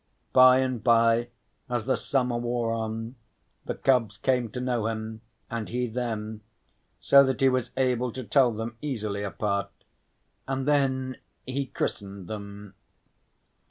By and bye, as the summer wore on, the cubs came to know him, and he them, so that he was able to tell them easily apart, and then he christened them.